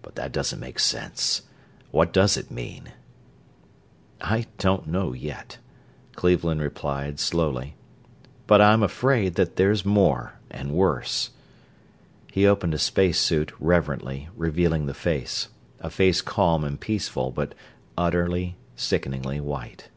But that doesn't make sense what does it mean?" "I don't know yet," Cleveland replied, slowly. "But I'm afraid that there's more, and worse." He opened a space suit reverently, revealing the face; a face calm and peaceful, but utterly, sickeningly white.